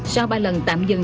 sau ba lần tạm dừng